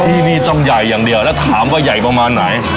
ที่นี่ต้องใหญ่อย่างเดียวแล้วถามว่าใหญ่ประมาณไหน